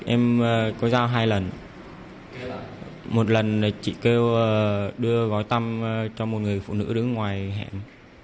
em có giao hai lần một lần chị kêu đưa gói tăm cho một người phụ nữ đứng ngoài hẹn